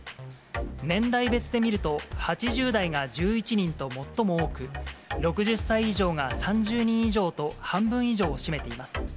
年代別で見ると、８０代が１１人と最も多く、６０歳以上が３０人以上と、半分以上を占めています。